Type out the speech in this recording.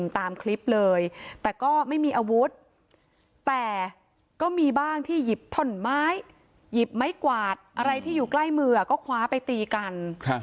ตามคลิปเลยแต่ก็ไม่มีอาวุธแต่ก็มีบ้างที่หยิบถ่อนไม้หยิบไม้กวาดอะไรที่อยู่ใกล้มือก็คว้าไปตีกัน